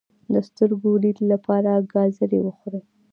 د سترګو د لید لپاره ګازرې وخورئ